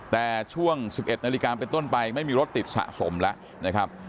แต่ช่วง๑๑นาฬิกาเป็นต้นไปไม่มีรถติดสะสมแล้วนะครับ